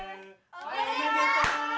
おめでとう！